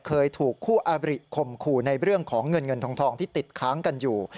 เคยถูกคู่อาบริข่มขู่ในเรื่องของเงินเงินทองที่ติดค้างกันอยู่